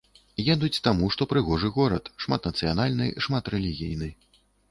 Едуць таму, што прыгожы горад, шматнацыянальны, шматрэлігійны.